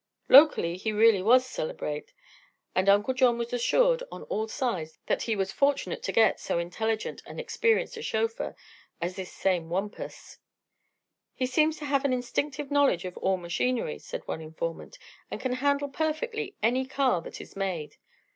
Locally he really was "celebrate" and Uncle John was assured on all sides that he was fortunate to get so intelligent and experienced a chauffeur as this same Wampus. "He seems to have instinctive knowledge of all machinery," said one informant, "and can handle perfectly any car that is made.